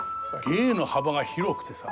芸の幅が広くてさ。